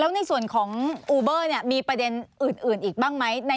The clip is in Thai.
ในส่วนของอูเบอร์มีประเด็นอื่นอีกบ้างไหม